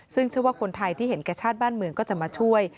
ซึ่งเชื่อว่าคนไทยที่เห็นแก่ชาติบ้านเมืองก็จะมาช่วย